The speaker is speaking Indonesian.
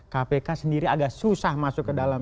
kpk sendiri agak susah masuk ke dalam